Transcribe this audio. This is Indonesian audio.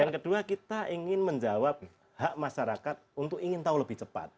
karena ingin menjawab hak masyarakat untuk ingin tahu lebih cepat